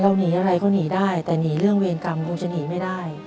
หนีอะไรก็หนีได้แต่หนีเรื่องเวรกรรมคงจะหนีไม่ได้